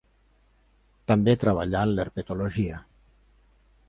També treballà en l'herpetologia.